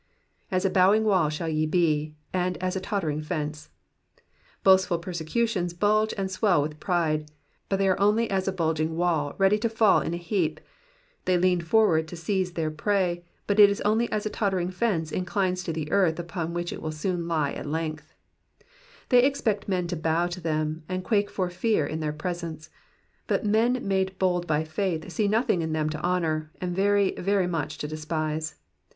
J« a bowing wall shall ye he, and as a tottering fence,'*^ Boastful persecutors bulge and swell with pride, but they are only as a bulging wall ready to fall in a heap ; they lean forward to seize their prey, but it is only as a tottering fence inclines to the earth upon which it will soon lie at length. Digitized by VjOOQIC 116 EXPOSITIONS OF THE PSALMS. They expect men to bow to them, and quake for fear in their presence ; bat men made bold by faith see nothing in them to honour, and very, very much to despise.